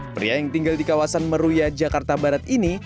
pria yang tinggal di kawasan meruya jakarta barat ini